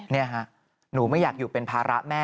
นี่ฮะหนูไม่อยากอยู่เป็นภาระแม่